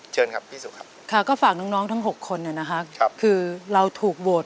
เชิญครับพี่สุครับค่ะก็ฝากน้องทั้ง๖คนนะครับคือเราถูกโหวต